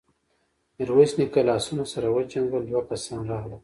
ميرويس نيکه لاسونه سره وجنګول، دوه کسان راغلل.